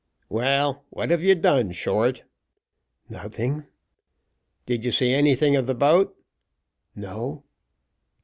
"Well, what have you done, Short?" "Nothing." "Did you see anything of the boat?" "No."